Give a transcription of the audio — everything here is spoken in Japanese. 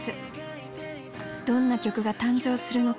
どんな曲が誕生するのか？